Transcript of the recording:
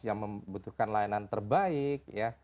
yang membutuhkan layanan terbaik ya